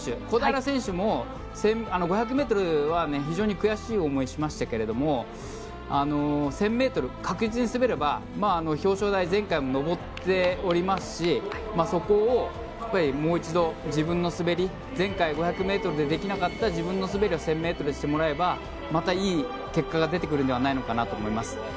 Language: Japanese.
小平選手も５００ｍは非常に悔しい思いをしましたが１０００ｍ確実に滑れば表彰台に前回も上っておりますしそこをもう一度、自分の滑り前回５００ｍでできなかった自分の滑りを１０００ｍでしてもらえばまたいい結果が出るのではないかと思います。